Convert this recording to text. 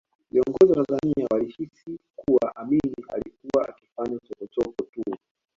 Viongozi wa Tanzania walihisi kuwa Amin alikuwa akifanya chokochoko tu